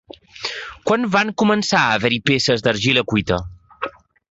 Quan van començar a haver-hi peces d'argila cuita?